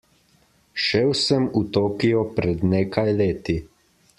Šel sem v Tokio pred nekaj leti.